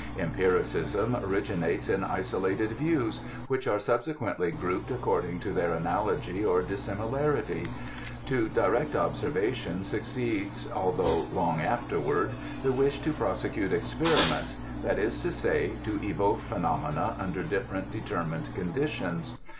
Empiricism originates in isolated views, which are subsequently grouped according to their analogy or dissimilar ity. To direct observation succeeds, although long afterward, the wish to prosecute experiments ; that is to say, to evoke phenomena under different determined conditions.